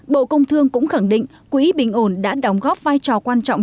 bộ công thương cũng khẳng định quỹ bình ổn đã đóng góp vai trò quan trọng